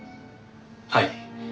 はい。